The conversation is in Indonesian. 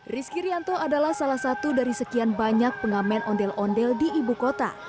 rizky rianto adalah salah satu dari sekian banyak pengamen ondel ondel di ibu kota